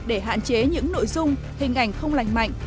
để hạn chế những nội dung hình ảnh không lành mạnh